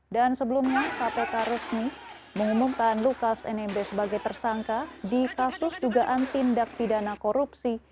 dan sebelumnya kpk resmi mengumumkan lukas nmb sebagai tersangka di kasus dugaan tindak pidana korupsi